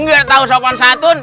gak tau sopan satun